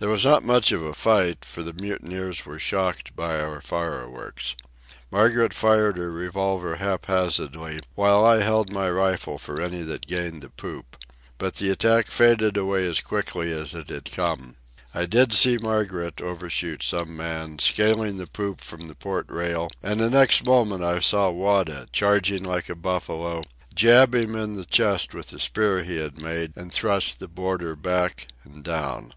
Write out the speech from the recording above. There was not much of a fight, for the mutineers were shocked by our fireworks. Margaret fired her revolver haphazardly, while I held my rifle for any that gained the poop. But the attack faded away as quickly as it had come. I did see Margaret overshoot some man, scaling the poop from the port rail, and the next moment I saw Wada, charging like a buffalo, jab him in the chest with the spear he had made and thrust the boarder back and down.